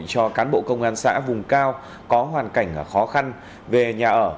cho cán bộ công an xã vùng cao có hoàn cảnh khó khăn về nhà ở